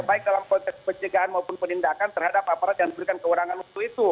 baik dalam proses penjagaan maupun penindakan terhadap aparat yang memberikan keurangan untuk itu